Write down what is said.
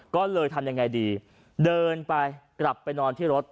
ก็เลยทำยังไงดีเดินไปกลับไปนอนที่รถ